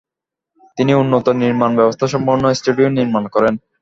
তিনি উন্নত নির্মাণ ব্যবস্থা সম্পন্ন স্টুডিও নির্মাণ করেন।